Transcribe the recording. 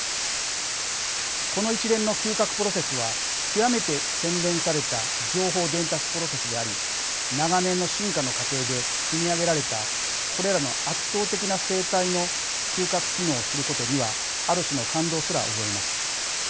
この一連の嗅覚プロセスは極めて洗練された情報伝達プロセスであり長年の進化の過程で組み上げられたこれらの圧倒的な生体の嗅覚機能を知ることにはある種の感動すら覚えます。